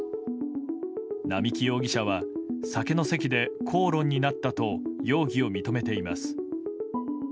並木容疑者は、酒の席で口論になったと容疑を認めています。